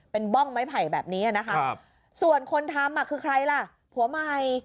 เป็นบ้องไม้ไผ่แบบนี้นะคะส่วนคนทำคือใครล่ะผัวใหม่